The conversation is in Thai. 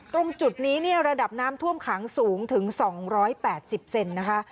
ตรงจุดนี้เนี่ยระดับน้ำท่วมขังสูงถึง๒๘๐เซนนะคะ